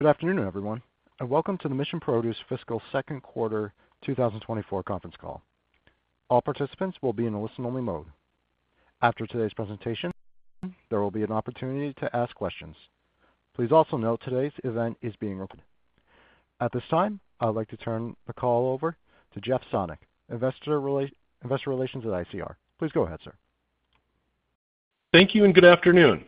Good afternoon, everyone, and welcome to the Mission Produce fiscal Q2 2024 conference call. All participants will be in a listen-only mode. After today's presentation, there will be an opportunity to ask questions. Please also note today's event is being recorded. At this time, I'd like to turn the call over to Jeff Sonnek, Investor Relations at ICR. Please go ahead, sir. Thank you and good afternoon.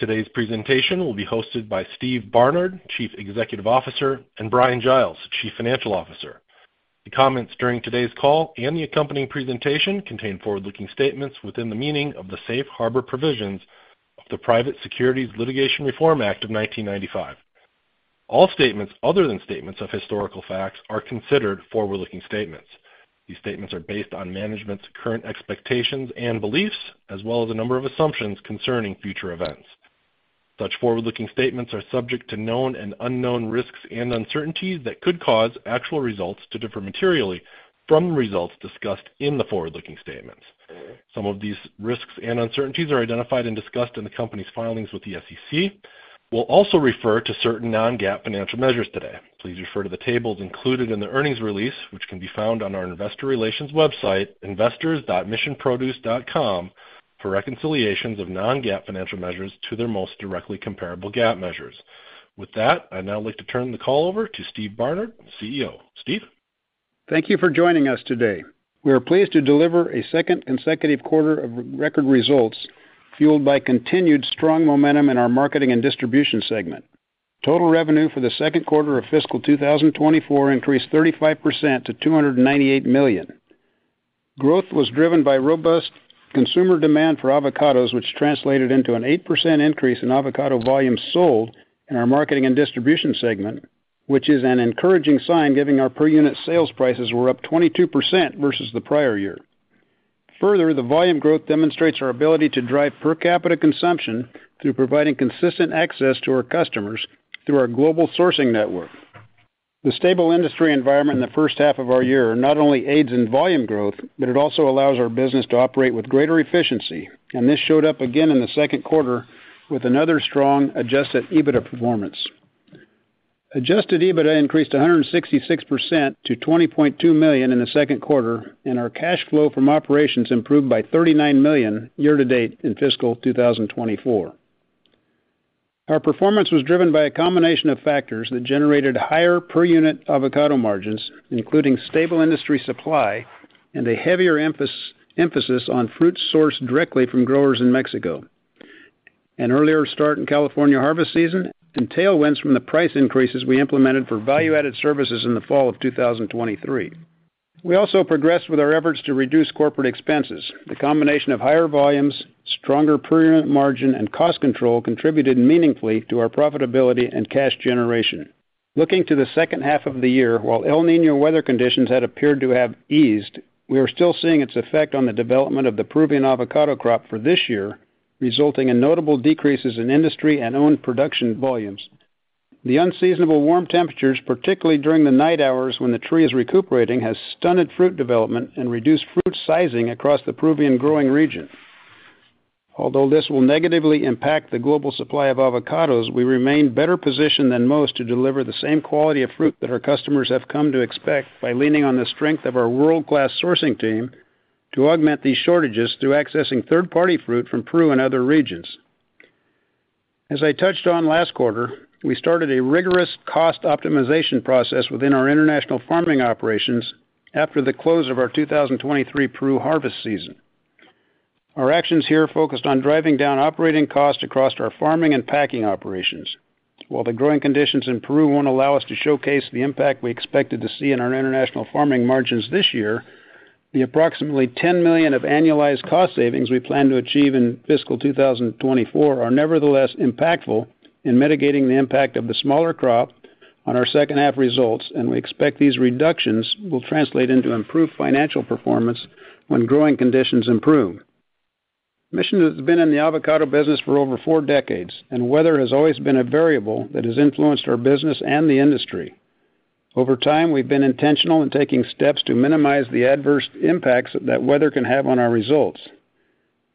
Today's presentation will be hosted by Steve Barnard, Chief Executive Officer, and Bryan Giles, Chief Financial Officer. The comments during today's call and the accompanying presentation contain forward-looking statements within the meaning of the safe harbor provisions of the Private Securities Litigation Reform Act of 1995. All statements other than statements of historical facts are considered forward-looking statements. These statements are based on management's current expectations and beliefs, as well as a number of assumptions concerning future events. Such forward-looking statements are subject to known and unknown risks and uncertainties that could cause actual results to differ materially from the results discussed in the forward-looking statements. Some of these risks and uncertainties are identified and discussed in the company's filings with the SEC. We'll also refer to certain non-GAAP financial measures today. Please refer to the tables included in the earnings release, which can be found on our Investor Relations website, investors.missionproduce.com, for reconciliations of non-GAAP financial measures to their most directly comparable GAAP measures. With that, I'd now like to turn the call over to Steve Barnard, CEO. Steve? Thank you for joining us today. We are pleased to deliver a second consecutive quarter of record results fueled by continued strong momentum in our Marketing and Distribution segment. Total revenue for the Q2 of fiscal 2024 increased 35% to $298 million. Growth was driven by robust consumer demand for avocados, which translated into an 8% increase in avocado volumes sold in our Marketing and Distribution segment, which is an encouraging sign, given our per-unit sales prices were up 22% versus the prior year. Further, the volume growth demonstrates our ability to drive per capita consumption through providing consistent access to our customers through our global sourcing network. The stable industry environment in the first half of our year not only aids in volume growth, but it also allows our business to operate with greater efficiency, and this showed up again in the Q2 with another strong Adjusted EBITDA performance. Adjusted EBITDA increased 166% to $20.2 million in the Q2, and our cash flow from operations improved by $39 million year-to-date in fiscal 2024. Our performance was driven by a combination of factors that generated higher per-unit avocado margins, including stable industry supply and a heavier emphasis on fruits sourced directly from growers in Mexico. An earlier start in California harvest season entailed wins from the price increases we implemented for value-added services in the fall of 2023. We also progressed with our efforts to reduce corporate expenses. The combination of higher volumes, stronger per-unit margin, and cost control contributed meaningfully to our profitability and cash generation. Looking to the second half of the year, while El Niño weather conditions had appeared to have eased, we are still seeing its effect on the development of the Peruvian avocado crop for this year, resulting in notable decreases in industry and owned production volumes. The unseasonable warm temperatures, particularly during the night hours when the tree is recuperating, have stunted fruit development and reduced fruit sizing across the Peruvian growing region. Although this will negatively impact the global supply of avocados, we remain better positioned than most to deliver the same quality of fruit that our customers have come to expect by leaning on the strength of our world-class sourcing team to augment these shortages through accessing third-party fruit from Peru and other regions. As I touched on last quarter, we started a rigorous cost optimization process within our international farming operations after the close of our 2023 Peru harvest season. Our actions here focused on driving down operating costs across our farming and packing operations. While the growing conditions in Peru won't allow us to showcase the impact we expected to see in our international farming margins this year, the approximately $10 million of annualized cost savings we plan to achieve in fiscal 2024 are nevertheless impactful in mitigating the impact of the smaller crop on our second-half results, and we expect these reductions will translate into improved financial performance when growing conditions improve. Mission has been in the avocado business for over four decades, and weather has always been a variable that has influenced our business and the industry. Over time, we've been intentional in taking steps to minimize the adverse impacts that weather can have on our results.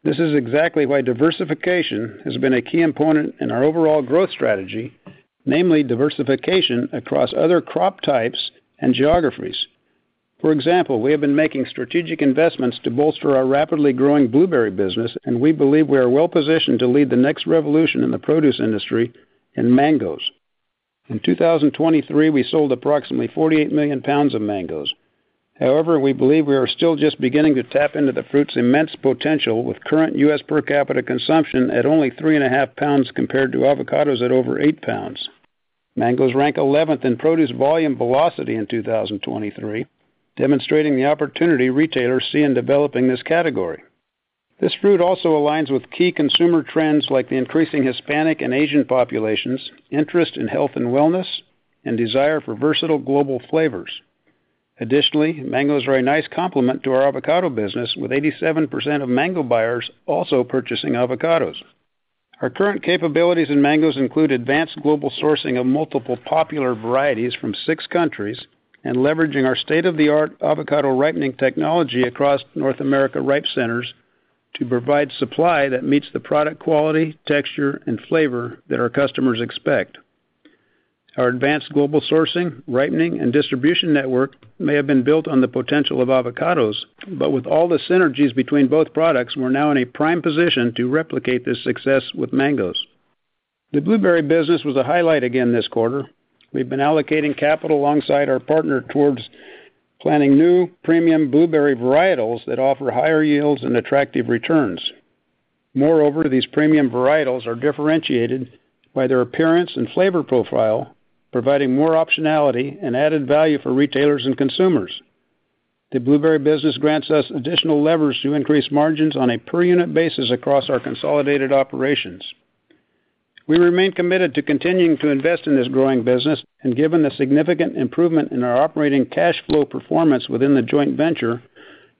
This is exactly why diversification has been a key component in our overall growth strategy, namely diversification across other crop types and geographies. For example, we have been making strategic investments to bolster our rapidly growing blueberry business, and we believe we are well positioned to lead the next revolution in the produce industry in mangoes. In 2023, we sold approximately 48 million pounds of mangoes. However, we believe we are still just beginning to tap into the fruit's immense potential with current U.S. per capita consumption at only 3.5 pounds compared to avocados at over eight pounds. Mangoes ranked 11th in produce volume velocity in 2023, demonstrating the opportunity retailers see in developing this category. This fruit also aligns with key consumer trends like the increasing Hispanic and Asian populations, interest in health and wellness, and desire for versatile global flavors. Additionally, mangoes are a nice complement to our avocado business, with 87% of mango buyers also purchasing avocados. Our current capabilities in mangoes include advanced global sourcing of multiple popular varieties from six countries and leveraging our state-of-the-art avocado ripening technology across North America ripe centers to provide supply that meets the product quality, texture, and flavor that our customers expect. Our advanced global sourcing, ripening, and distribution network may have been built on the potential of avocados, but with all the synergies between both products, we're now in a prime position to replicate this success with mangoes. The blueberry business was a highlight again this quarter. We've been allocating capital alongside our partner towards planning new premium blueberry varietals that offer higher yields and attractive returns. Moreover, these premium varietals are differentiated by their appearance and flavor profile, providing more optionality and added value for retailers and consumers. The blueberry business grants us additional levers to increase margins on a per-unit basis across our consolidated operations. We remain committed to continuing to invest in this growing business, and given the significant improvement in our operating cash flow performance within the joint venture,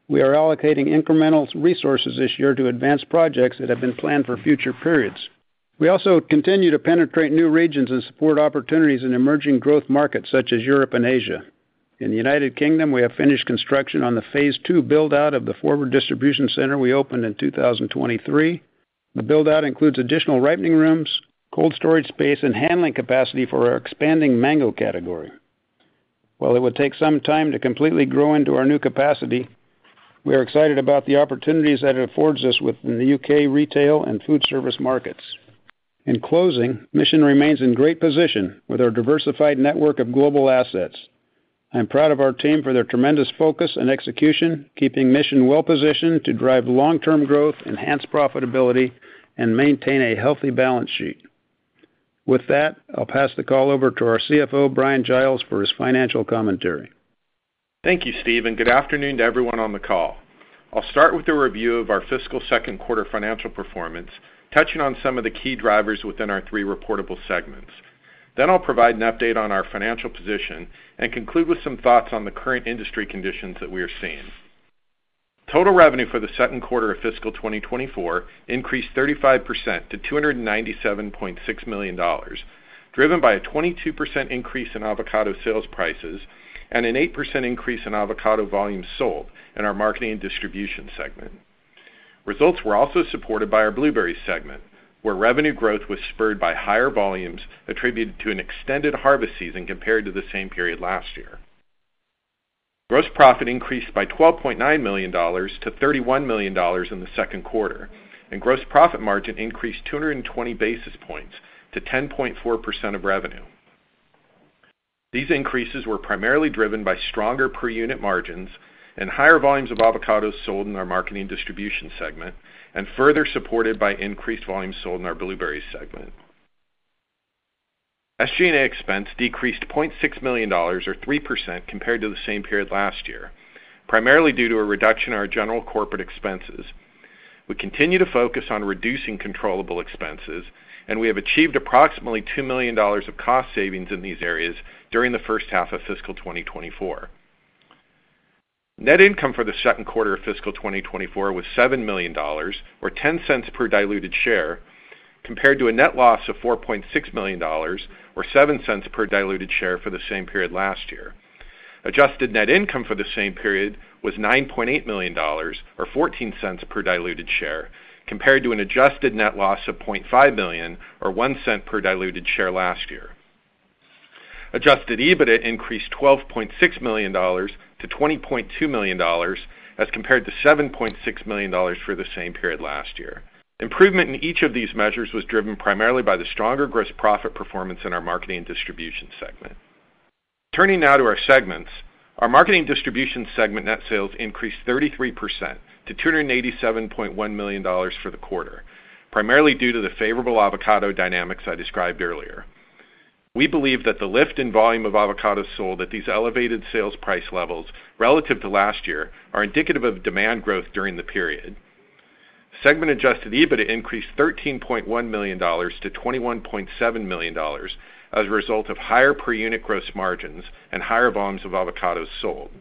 we are allocating incremental resources this year to advance projects that have been planned for future periods. We also continue to penetrate new regions and support opportunities in emerging growth markets such as Europe and Asia. In the United Kingdom, we have finished construction on the Phase II build-out of the Forward Distribution Center we opened in 2023. The build-out includes additional ripening rooms, cold storage space, and handling capacity for our expanding mango category. While it would take some time to completely grow into our new capacity, we are excited about the opportunities that it affords us within the U.K. retail and food service markets. In closing, Mission remains in great position with our diversified network of global assets. I'm proud of our team for their tremendous focus and execution, keeping Mission well-positioned to drive long-term growth, enhance profitability, and maintain a healthy balance sheet. With that, I'll pass the call over to our CFO, Bryan Giles, for his financial commentary. Thank you, Steve, and good afternoon to everyone on the call. I'll start with a review of our fiscal Q2 financial performance, touching on some of the key drivers within our three reportable segments. Then I'll provide an update on our financial position and conclude with some thoughts on the current industry conditions that we are seeing. Total revenue for the Q2 of fiscal 2024 increased 35% to $297.6 million, driven by a 22% increase in avocado sales prices and an 8% increase in avocado volumes sold in our marketing and distribution segment. Results were also supported by our blueberry segment, where revenue growth was spurred by higher volumes attributed to an extended harvest season compared to the same period last year. Gross profit increased by $12.9 million to $31 million in the Q2, and gross profit margin increased 220 basis points to 10.4% of revenue. These increases were primarily driven by stronger per-unit margins and higher volumes of avocados sold in our marketing and distribution segment, and further supported by increased volumes sold in our blueberry segment. SG&A expense decreased $0.6 million, or 3%, compared to the same period last year, primarily due to a reduction in our general corporate expenses. We continue to focus on reducing controllable expenses, and we have achieved approximately $2 million of cost savings in these areas during the first half of fiscal 2024. Net income for the Q2 of fiscal 2024 was $7 million, or $0.10 per diluted share, compared to a net loss of $4.6 million, or $0.07 per diluted share for the same period last year. Adjusted net income for the same period was $9.8 million, or 14 cents per diluted share, compared to an adjusted net loss of $0.5 million, or 1 cent per diluted share last year. Adjusted EBITDA increased $12.6 million to $20.2 million as compared to $7.6 million for the same period last year. Improvement in each of these measures was driven primarily by the stronger gross profit performance in our Marketing and Distribution segment. Turning now to our segments, our Marketing and Distribution segment net sales increased 33% to $287.1 million for the quarter, primarily due to the favorable avocado dynamics I described earlier. We believe that the lift in volume of avocados sold at these elevated sales price levels relative to last year are indicative of demand growth during the period. Segment-adjusted EBITDA increased $13.1 million to $21.7 million as a result of higher per-unit gross margins and higher volumes of avocados sold.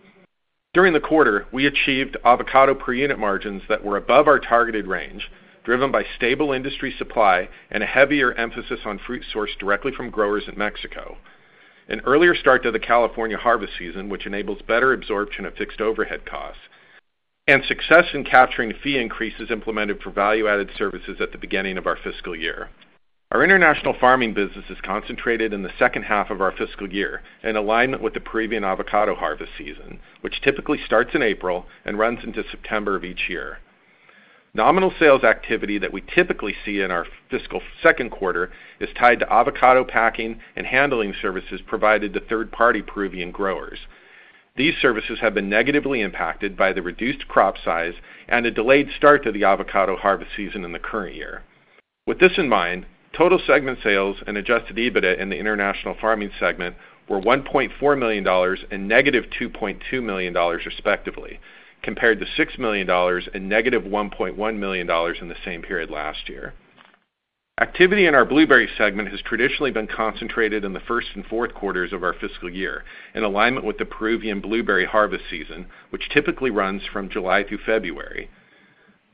During the quarter, we achieved avocado per-unit margins that were above our targeted range, driven by stable industry supply and a heavier emphasis on fruit sourced directly from growers in Mexico, an earlier start to the California harvest season, which enables better absorption of fixed overhead costs, and success in capturing fee increases implemented for value-added services at the beginning of our fiscal year. Our international farming business is concentrated in the second half of our fiscal year in alignment with the Peruvian avocado harvest season, which typically starts in April and runs into September of each year. Nominal sales activity that we typically see in our fiscal Q2 is tied to avocado packing and handling services provided to third-party Peruvian growers. These services have been negatively impacted by the reduced crop size and a delayed start to the avocado harvest season in the current year. With this in mind, total segment sales and Adjusted EBITDA in the international farming segment were $1.4 million and negative $2.2 million, respectively, compared to $6 million and negative $1.1 million in the same period last year. Activity in our blueberry segment has traditionally been concentrated in the Q1 and Q4 of our fiscal year in alignment with the Peruvian blueberry harvest season, which typically runs from July through February.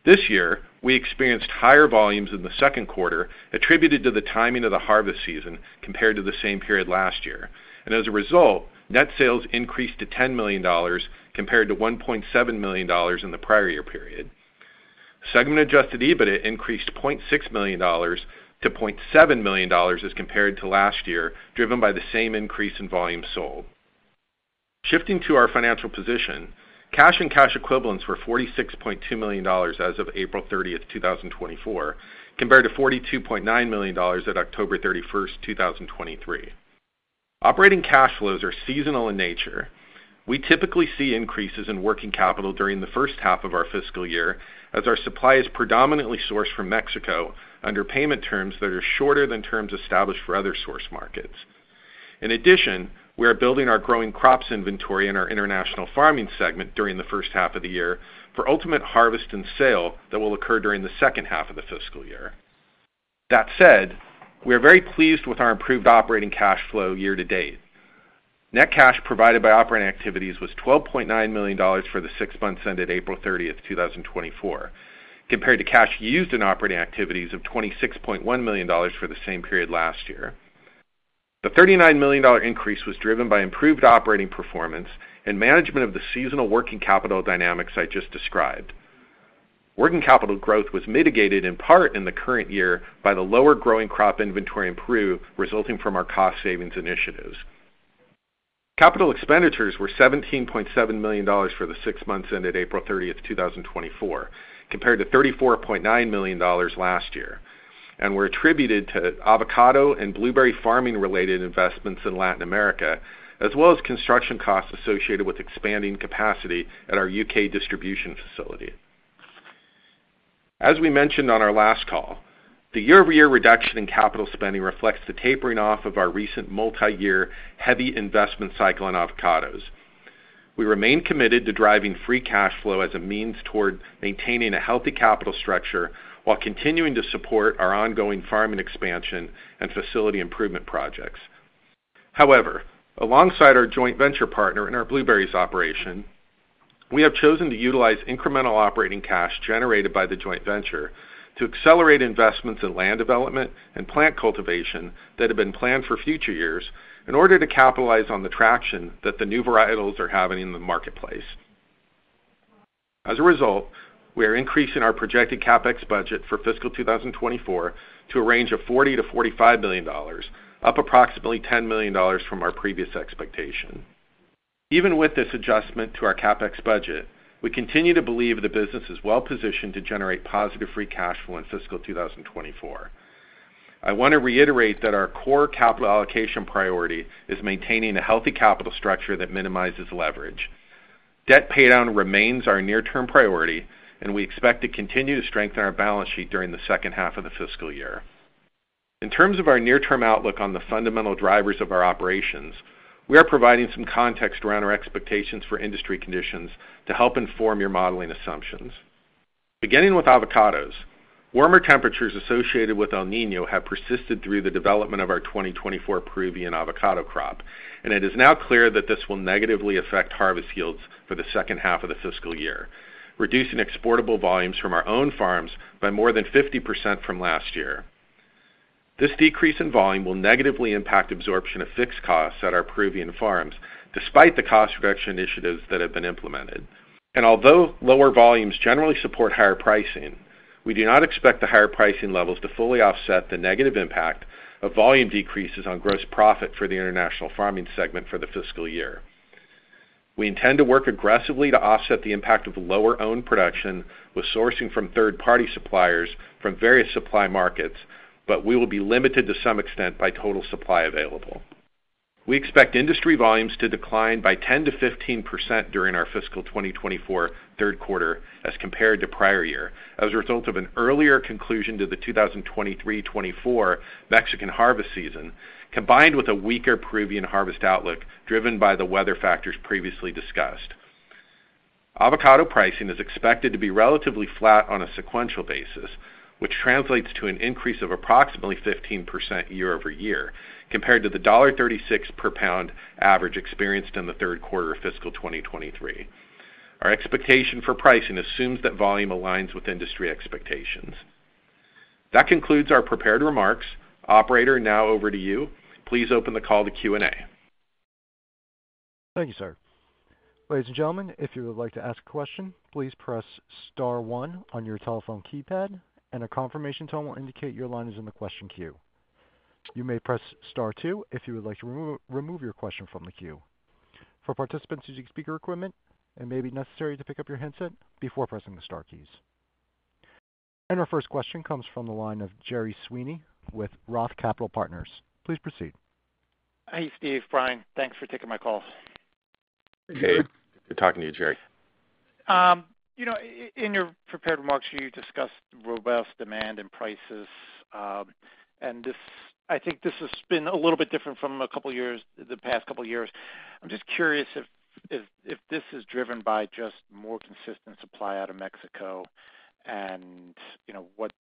This year, we experienced higher volumes in the Q2 attributed to the timing of the harvest season compared to the same period last year, and as a result, net sales increased to $10 million compared to $1.7 million in the prior year period. Segment-adjusted EBITDA increased $0.6 million to $0.7 million as compared to last year, driven by the same increase in volume sold. Shifting to our financial position, cash and cash equivalents were $46.2 million as of April 30, 2024, compared to $42.9 million at October 31, 2023. Operating cash flows are seasonal in nature. We typically see increases in working capital during the first half of our fiscal year as our supply is predominantly sourced from Mexico under payment terms that are shorter than terms established for other source markets. In addition, we are building our growing crops inventory in our international farming segment during the first half of the year for ultimate harvest and sale that will occur during the second half of the fiscal year. That said, we are very pleased with our improved operating cash flow year to date. Net cash provided by operating activities was $12.9 million for the six months ended April 30, 2024, compared to cash used in operating activities of $26.1 million for the same period last year. The $39 million increase was driven by improved operating performance and management of the seasonal working capital dynamics I just described. Working capital growth was mitigated in part in the current year by the lower growing crop inventory in Peru resulting from our cost savings initiatives. Capital expenditures were $17.7 million for the six months ended April 30, 2024, compared to $34.9 million last year, and were attributed to avocado and blueberry farming-related investments in Latin America, as well as construction costs associated with expanding capacity at our U.K. distribution facility. As we mentioned on our last call, the year-over-year reduction in capital spending reflects the tapering off of our recent multi-year heavy investment cycle in avocados. We remain committed to driving free cash flow as a means toward maintaining a healthy capital structure while continuing to support our ongoing farming expansion and facility improvement projects. However, alongside our joint venture partner in our blueberries operation, we have chosen to utilize incremental operating cash generated by the joint venture to accelerate investments in land development and plant cultivation that have been planned for future years in order to capitalize on the traction that the new varietals are having in the marketplace. As a result, we are increasing our projected CapEx budget for fiscal 2024 to a range of $40-$45 million, up approximately $10 million from our previous expectation. Even with this adjustment to our CapEx budget, we continue to believe the business is well positioned to generate positive free cash flow in fiscal 2024. I want to reiterate that our core capital allocation priority is maintaining a healthy capital structure that minimizes leverage. Debt paydown remains our near-term priority, and we expect to continue to strengthen our balance sheet during the second half of the fiscal year. In terms of our near-term outlook on the fundamental drivers of our operations, we are providing some context around our expectations for industry conditions to help inform your modeling assumptions. Beginning with avocados, warmer temperatures associated with El Niño have persisted through the development of our 2024 Peruvian avocado crop, and it is now clear that this will negatively affect harvest yields for the second half of the fiscal year, reducing exportable volumes from our own farms by more than 50% from last year. This decrease in volume will negatively impact absorption of fixed costs at our Peruvian farms, despite the cost reduction initiatives that have been implemented. Although lower volumes generally support higher pricing, we do not expect the higher pricing levels to fully offset the negative impact of volume decreases on gross profit for the international farming segment for the fiscal year. We intend to work aggressively to offset the impact of lower owned production with sourcing from third-party suppliers from various supply markets, but we will be limited to some extent by total supply available. We expect industry volumes to decline by 10%-15% during our fiscal 2024 Q3 as compared to prior year as a result of an earlier conclusion to the 2023-2024 Mexican harvest season, combined with a weaker Peruvian harvest outlook driven by the weather factors previously discussed. Avocado pricing is expected to be relatively flat on a sequential basis, which translates to an increase of approximately 15% year-over-year compared to the $1.36 per pound average experienced in the Q3 of fiscal 2023. Our expectation for pricing assumes that volume aligns with industry expectations. That concludes our prepared remarks. Operator, now over to you. Please open the call to Q&A. Thank you, sir. Ladies and gentlemen, if you would like to ask a question, please press star one on your telephone keypad, and a confirmation tone will indicate your line is in the question queue. You may press star two if you would like to remove your question from the queue. For participants using speaker equipment, it may be necessary to pick up your handset before pressing the star keys. Our first question comes from the line of Gerry Sweeney with Roth Capital Partners. Please proceed. Hey, Steve, Bryan, thanks for taking my call. Hey. Good talking to you, Gerry. In your prepared remarks, you discussed robust demand and prices, and I think this has been a little bit different from the past couple of years. I'm just curious if this is driven by just more consistent supply out of Mexico and what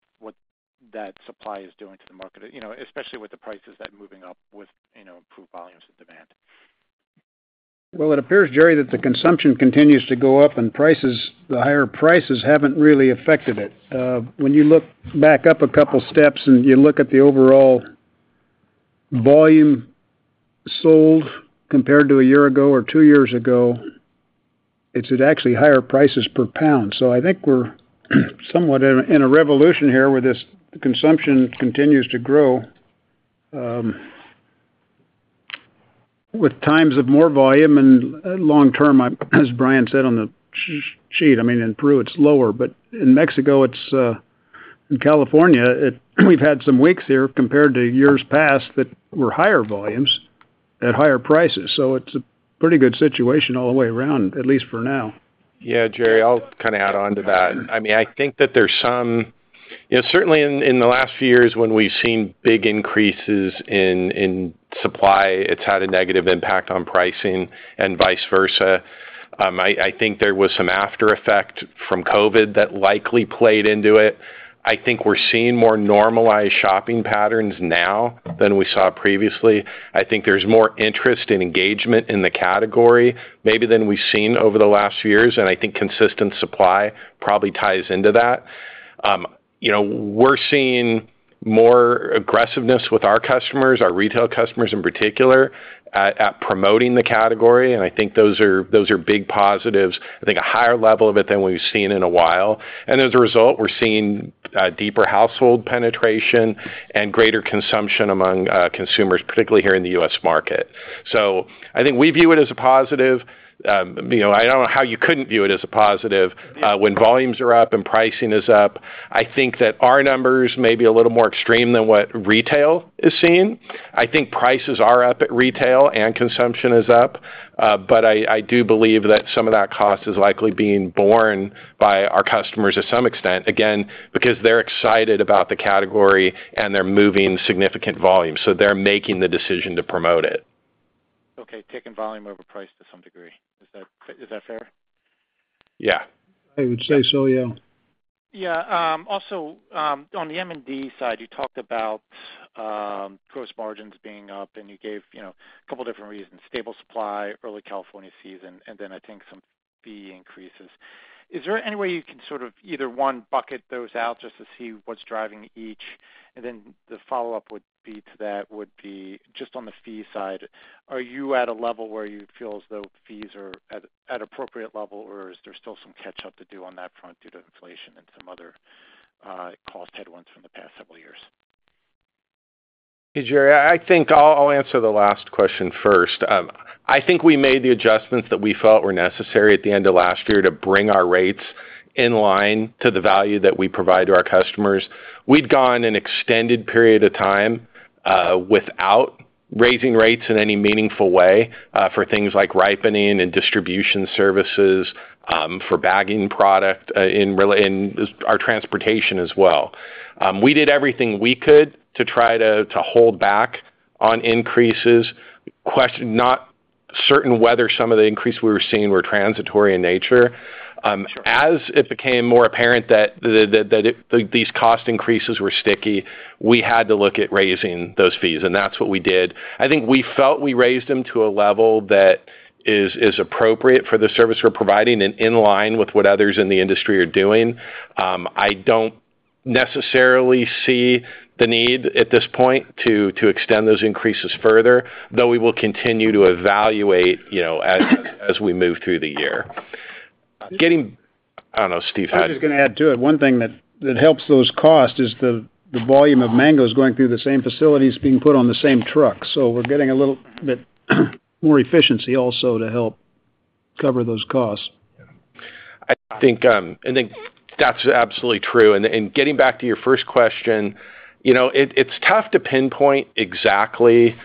that supply is doing to the market, especially with the prices that are moving up with improved volumes of demand? Well, it appears, Gerry, that the consumption continues to go up, and the higher prices haven't really affected it. When you look back up a couple of steps and you look at the overall volume sold compared to a year ago or two years ago, it's actually higher prices per pound. So I think we're somewhat in a revolution here where this consumption continues to grow with times of more volume and long-term. As Bryan said on the sheet, I mean, in Peru, it's lower, but in Mexico, in California, we've had some weeks here compared to years past that were higher volumes at higher prices. So it's a pretty good situation all the way around, at least for now. Yeah, Gerry, I'll kind of add on to that. I mean, I think that there's some, certainly in the last few years when we've seen big increases in supply, it's had a negative impact on pricing and vice versa. I think there was some aftereffect from COVID that likely played into it. I think we're seeing more normalized shopping patterns now than we saw previously. I think there's more interest and engagement in the category maybe than we've seen over the last few years, and I think consistent supply probably ties into that. We're seeing more aggressiveness with our customers, our retail customers in particular, at promoting the category, and I think those are big positives. I think a higher level of it than we've seen in a while. And as a result, we're seeing deeper household penetration and greater consumption among consumers, particularly here in the U.S. market. So I think we view it as a positive. I don't know how you couldn't view it as a positive. When volumes are up and pricing is up, I think that our numbers may be a little more extreme than what retail is seeing. I think prices are up at retail and consumption is up, but I do believe that some of that cost is likely being borne by our customers to some extent, again, because they're excited about the category and they're moving significant volume. So they're making the decision to promote it. Okay, taking volume over price to some degree. Is that fair? Yeah. I would say so, yeah. Yeah. Also, on the M&D side, you talked about gross margins being up, and you gave a couple of different reasons: stable supply, early California season, and then I think some fee increases. Is there any way you can sort of either one bucket those out just to see what's driving each? And then the follow-up would be to that would be just on the fee side. Are you at a level where you feel as though fees are at an appropriate level, or is there still some catch-up to do on that front due to inflation and some other cost headwinds from the past several years? Hey, Gerry, I think I'll answer the last question first. I think we made the adjustments that we felt were necessary at the end of last year to bring our rates in line to the value that we provide to our customers. We'd gone an extended period of time without raising rates in any meaningful way for things like ripening and distribution services, for bagging product, and our transportation as well. We did everything we could to try to hold back on increases, not certain whether some of the increase we were seeing were transitory in nature. As it became more apparent that these cost increases were sticky, we had to look at raising those fees, and that's what we did. I think we felt we raised them to a level that is appropriate for the service we're providing and in line with what others in the industry are doing. I don't necessarily see the need at this point to extend those increases further, though we will continue to evaluate as we move through the year. I don't know, Steve had. I was just going to add to it. One thing that helps those costs is the volume of mangoes going through the same facilities being put on the same trucks. So we're getting a little bit more efficiency also to help cover those costs. I think that's absolutely true. And getting back to your first question, it's tough to pinpoint exactly.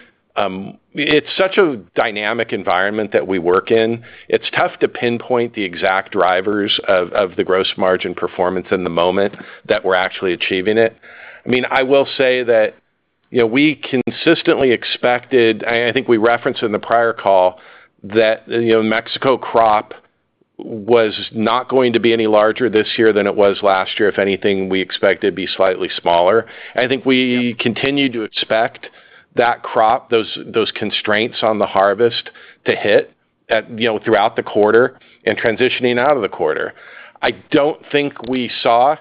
It's such a dynamic environment that we work in. It's tough to pinpoint the exact drivers of the gross margin performance in the moment that we're actually achieving it. I mean, I will say that we consistently expected, and I think we referenced in the prior call, that Mexico crop was not going to be any larger this year than it was last year. If anything, we expect it to be slightly smaller. I think we continue to expect that crop, those constraints on the harvest to hit throughout the quarter and transitioning out of the quarter. I don't think we saw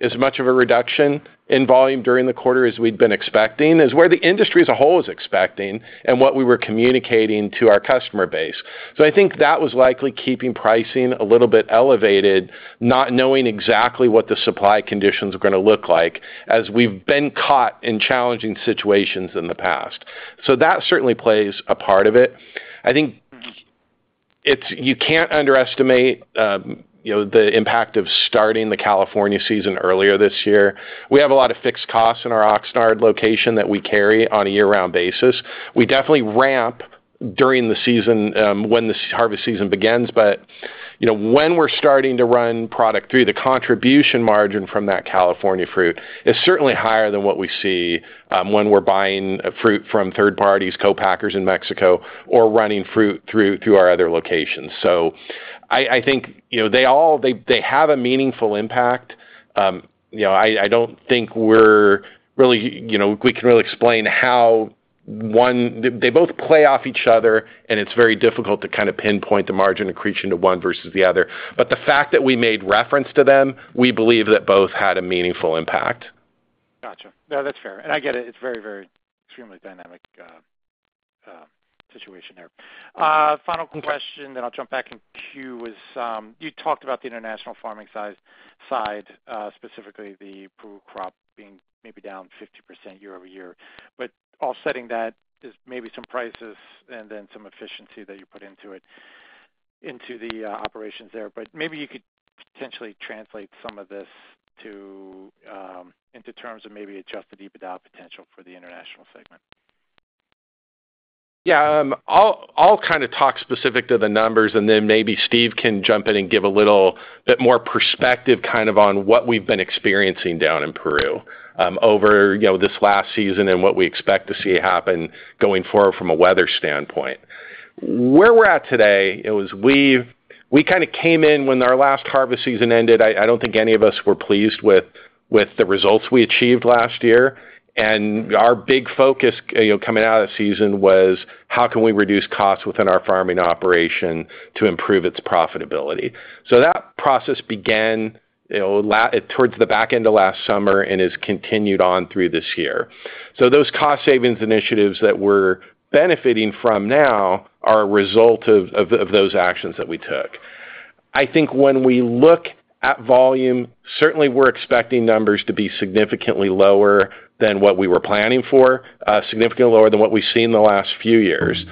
as much of a reduction in volume during the quarter as we'd been expecting, as where the industry as a whole is expecting and what we were communicating to our customer base. So I think that was likely keeping pricing a little bit elevated, not knowing exactly what the supply conditions are going to look like as we've been caught in challenging situations in the past. So that certainly plays a part of it. I think you can't underestimate the impact of starting the California season earlier this year. We have a lot of fixed costs in our Oxnard location that we carry on a year-round basis. We definitely ramp during the season when the harvest season begins, but when we're starting to run product through, the contribution margin from that California fruit is certainly higher than what we see when we're buying fruit from third parties, co-packers in Mexico, or running fruit through our other locations. So I think they have a meaningful impact. I don't think we can really explain how they both play off each other, and it's very difficult to kind of pinpoint the margin accretion to one versus the other. But the fact that we made reference to them, we believe that both had a meaningful impact. Gotcha. No, that's fair. And I get it. It's a very, very extremely dynamic situation there. Final question, then I'll jump back in queue is you talked about the international farming side, specifically the Peru crop being maybe down 50% year-over-year. But offsetting that is maybe some prices and then some efficiency that you put into the operations there. But maybe you could potentially translate some of this into terms of maybe Adjusted EBITDA down potential for the international segment. Yeah. I'll kind of talk specific to the numbers, and then maybe Steve can jump in and give a little bit more perspective kind of on what we've been experiencing down in Peru over this last season and what we expect to see happen going forward from a weather standpoint. Where we're at today, we kind of came in when our last harvest season ended. I don't think any of us were pleased with the results we achieved last year. Our big focus coming out of that season was how can we reduce costs within our farming operation to improve its profitability. That process began towards the back end of last summer and has continued on through this year. Those cost savings initiatives that we're benefiting from now are a result of those actions that we took. I think when we look at volume, certainly we're expecting numbers to be significantly lower than what we were planning for, significantly lower than what we've seen the last few years.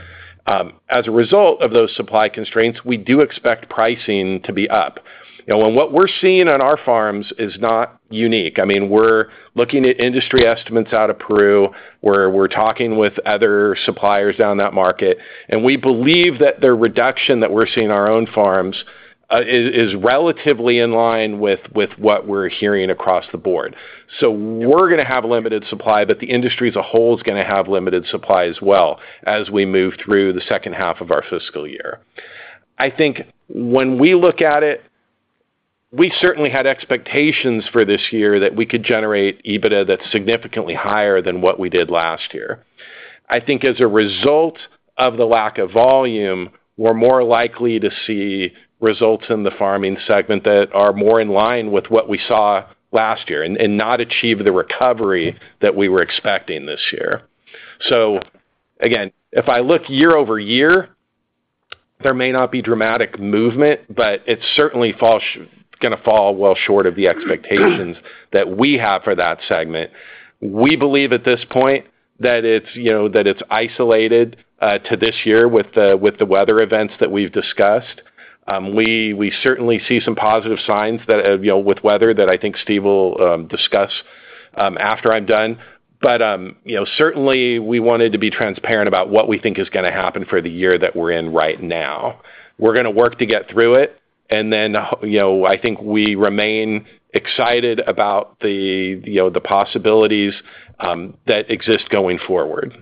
As a result of those supply constraints, we do expect pricing to be up. What we're seeing on our farms is not unique. I mean, we're looking at industry estimates out of Peru. We're talking with other suppliers down that market, and we believe that the reduction that we're seeing on our own farms is relatively in line with what we're hearing across the board. We're going to have limited supply, but the industry as a whole is going to have limited supply as well as we move through the second half of our fiscal year. I think when we look at it, we certainly had expectations for this year that we could generate EBITDA that's significantly higher than what we did last year. I think as a result of the lack of volume, we're more likely to see results in the farming segment that are more in line with what we saw last year and not achieve the recovery that we were expecting this year. So again, if I look year-over-year, there may not be dramatic movement, but it's certainly going to fall well short of the expectations that we have for that segment. We believe at this point that it's isolated to this year with the weather events that we've discussed. We certainly see some positive signs with weather that I think Steve will discuss after I'm done. But certainly, we wanted to be transparent about what we think is going to happen for the year that we're in right now. We're going to work to get through it, and then I think we remain excited about the possibilities that exist going forward.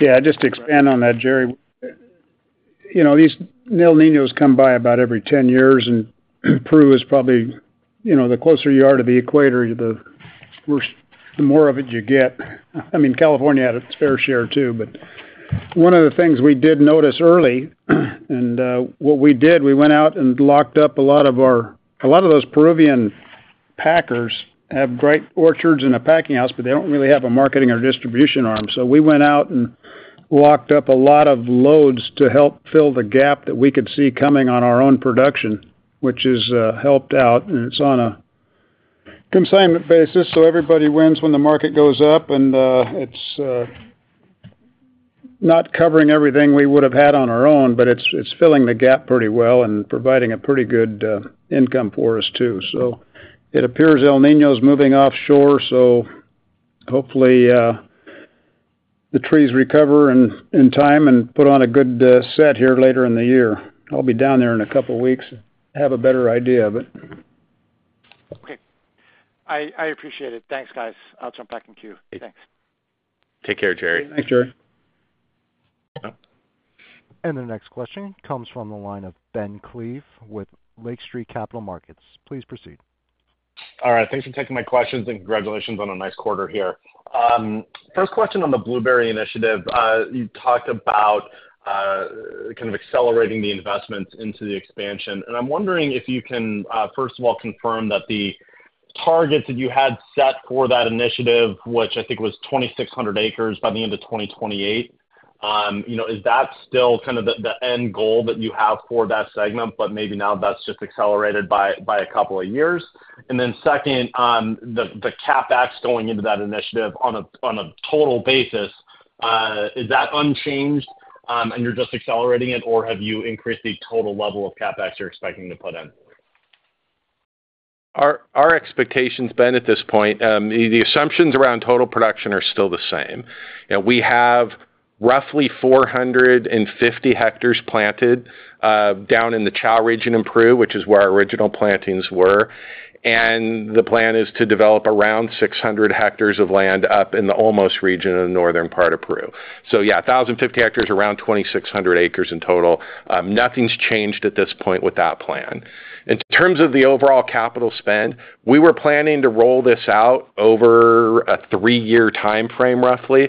Yeah. Just to expand on that, Gerry, these El Niños come by about every 10 years, and Peru is probably the closer you are to the equator, the more of it you get. I mean, California had its fair share too, but one of the things we did notice early, and what we did, we went out and locked up a lot of those Peruvian packers have great orchards and a packing house, but they don't really have a marketing or distribution arm. So we went out and locked up a lot of loads to help fill the gap that we could see coming on our own production, which has helped out, and it's on a consignment basis. So everybody wins when the market goes up, and it's not covering everything we would have had on our own, but it's filling the gap pretty well and providing a pretty good income for us too. So it appears El Niño is moving offshore, so hopefully the trees recover in time and put on a good set here later in the year. I'll be down there in a couple of weeks and have a better idea of it. Okay. I appreciate it. Thanks, guys. I'll jump back in queue. Thanks. Take care, Gerry. Thanks, Gerry. The next question comes from the line of Ben Klieve with Lake Street Capital Markets. Please proceed. All right. Thanks for taking my questions and congratulations on a nice quarter here. First question on the blueberry initiative. You talked about kind of accelerating the investments into the expansion. I'm wondering if you can, first of all, confirm that the targets that you had set for that initiative, which I think was 2,600 acres by the end of 2028, is that still kind of the end goal that you have for that segment, but maybe now that's just accelerated by a couple of years? Second, the CapEx going into that initiative on a total basis, is that unchanged and you're just accelerating it, or have you increased the total level of CapEx you're expecting to put in? Our expectations, Ben, at this point, the assumptions around total production are still the same. We have roughly 450 hectares planted down in the Chao region in Peru, which is where our original plantings were. The plan is to develop around 600 hectares of land up in the Olmos region in the northern part of Peru. So yeah, 1,050 hectares, around 2,600 acres in total. Nothing's changed at this point with that plan. In terms of the overall capital spend, we were planning to roll this out over a three-year timeframe, roughly.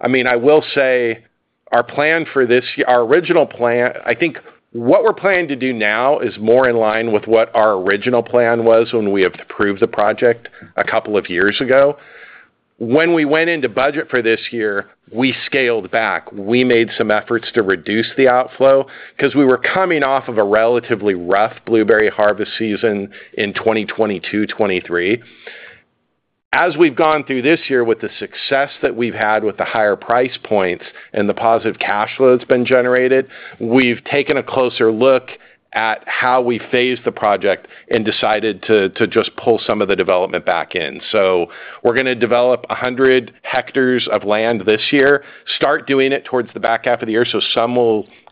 I mean, I will say our plan for this year, our original plan, I think what we're planning to do now is more in line with what our original plan was when we approved the project a couple of years ago. When we went into budget for this year, we scaled back. We made some efforts to reduce the outflow because we were coming off of a relatively rough blueberry harvest season in 2022-23. As we've gone through this year with the success that we've had with the higher price points and the positive cash flow that's been generated, we've taken a closer look at how we phased the project and decided to just pull some of the development back in. So we're going to develop 100 hectares of land this year, start doing it towards the back half of the year. So some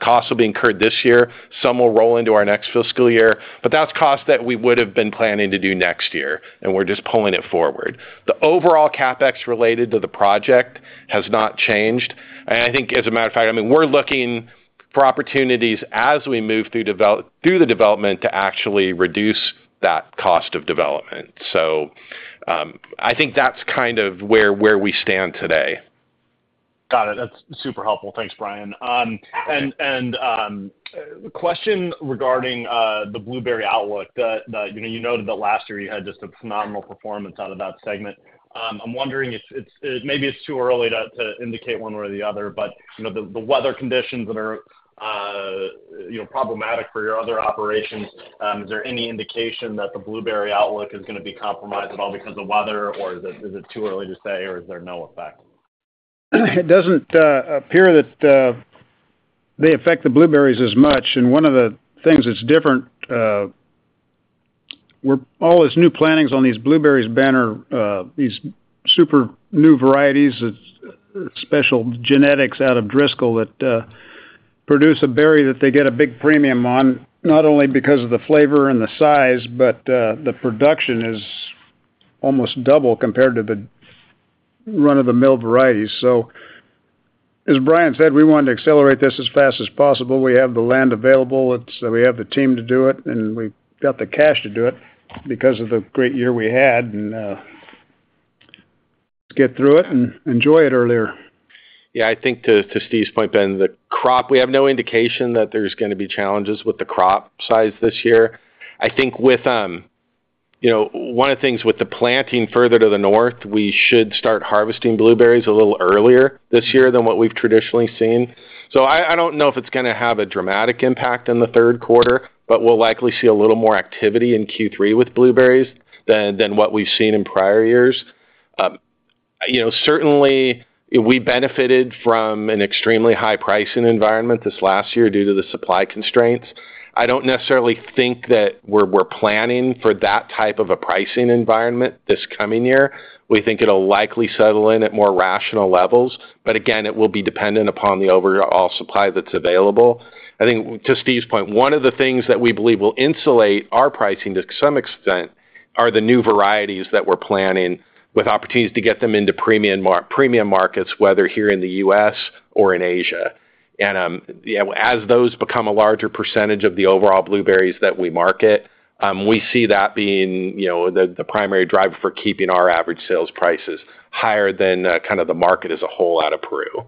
costs will be incurred this year. Some will roll into our next fiscal year, but that's costs that we would have been planning to do next year, and we're just pulling it forward. The overall CapEx related to the project has not changed. I think as a matter of fact, I mean, we're looking for opportunities as we move through the development to actually reduce that cost of development. I think that's kind of where we stand today. Got it. That's super helpful. Thanks, Bryan. And the question regarding the blueberry outlook, you noted that last year you had just a phenomenal performance out of that segment. I'm wondering if maybe it's too early to indicate one way or the other, but the weather conditions that are problematic for your other operations, is there any indication that the blueberry outlook is going to be compromised at all because of weather, or is it too early to say, or is there no effect? It doesn't appear that they affect the blueberries as much. And one of the things that's different, we're always new plantings on these blueberries banner, these super new varieties, special genetics out of Driscoll's that produce a berry that they get a big premium on, not only because of the flavor and the size, but the production is almost double compared to the run-of-the-mill varieties. So as Bryan said, we want to accelerate this as fast as possible. We have the land available. We have the team to do it, and we got the cash to do it because of the great year we had. And let's get through it and enjoy it earlier. Yeah. I think to Steve's point, Ben, the crop, we have no indication that there's going to be challenges with the crop size this year. I think with one of the things with the planting further to the north, we should start harvesting blueberries a little earlier this year than what we've traditionally seen. So I don't know if it's going to have a dramatic impact in the Q3, but we'll likely see a little more activity in Q3 with blueberries than what we've seen in prior years. Certainly, we benefited from an extremely high pricing environment this last year due to the supply constraints. I don't necessarily think that we're planning for that type of a pricing environment this coming year. We think it'll likely settle in at more rational levels. But again, it will be dependent upon the overall supply that's available. I think to Steve's point, one of the things that we believe will insulate our pricing to some extent are the new varieties that we're planning with opportunities to get them into premium markets, whether here in the U.S. or in Asia. As those become a larger percentage of the overall blueberries that we market, we see that being the primary driver for keeping our average sales prices higher than kind of the market as a whole out of Peru.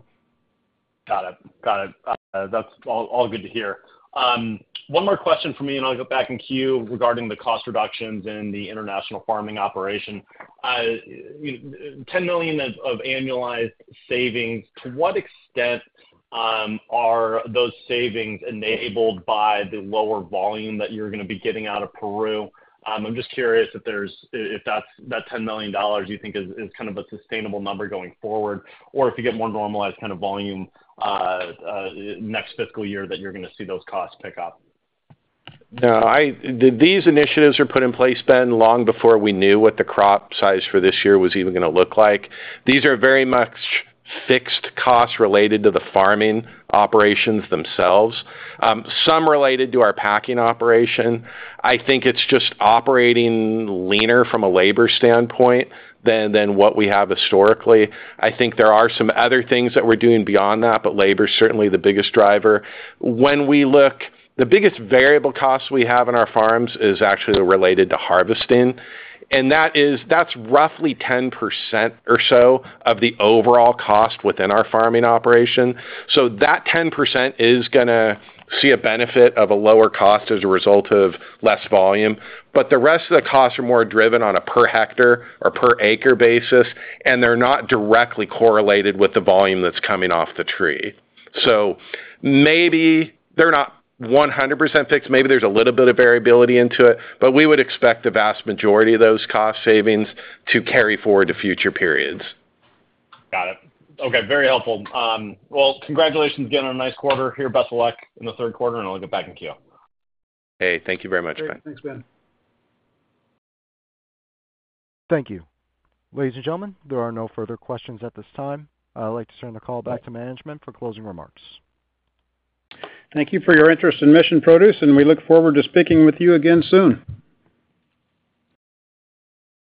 Got it. Got it. That's all good to hear. One more question for me, and I'll go back in queue regarding the cost reductions in the international farming operation. $10 million of annualized savings, to what extent are those savings enabled by the lower volume that you're going to be getting out of Peru? I'm just curious if that $10 million you think is kind of a sustainable number going forward, or if you get more normalized kind of volume next fiscal year that you're going to see those costs pick up. No. These initiatives were put in place, Ben, long before we knew what the crop size for this year was even going to look like. These are very much fixed costs related to the farming operations themselves, some related to our packing operation. I think it's just operating leaner from a labor standpoint than what we have historically. I think there are some other things that we're doing beyond that, but labor is certainly the biggest driver. When we look, the biggest variable costs we have in our farms is actually related to harvesting. And that's roughly 10% or so of the overall cost within our farming operation. So that 10% is going to see a benefit of a lower cost as a result of less volume. But the rest of the costs are more driven on a per hectare or per acre basis, and they're not directly correlated with the volume that's coming off the tree. So maybe they're not 100% fixed. Maybe there's a little bit of variability into it, but we would expect the vast majority of those cost savings to carry forward to future periods. Got it. Okay. Very helpful. Well, congratulations again on a nice quarter here, best of luck in the Q3, and I'll get back in queue. Hey, thank you very much, Bryan. Thanks, Ben. Thank you. Ladies and gentlemen, there are no further questions at this time. I'd like to turn the call back to management for closing remarks. Thank you for your interest in Mission Produce, and we look forward to speaking with you again soon.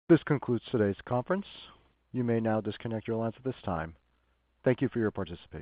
This concludes today's conference. You may now disconnect your lines at this time. Thank you for your participation.